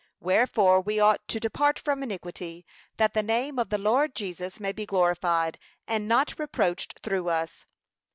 Wherefore we ought to depart from iniquity, that the name of the Lord Jesus may be glorified, and not reproached through us.